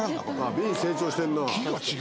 Ｂ成長してるな。